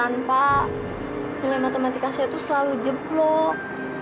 nilai matematika saya tuh selalu jeblok